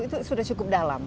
itu sudah cukup dalam